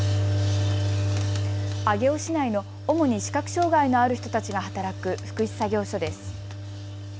上尾市内の主に視覚障害のある人たちが働く福祉作業所です。